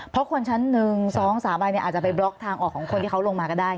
เพราะคนชั้นหนึ่ง๒๓ใบอาจจะไปบล็อกทางออกของคนที่เขาลงมาก็ได้